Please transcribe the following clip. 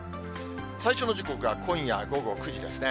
最初の時刻が今夜午後９時ですね。